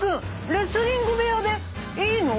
レスリング部屋でいいの？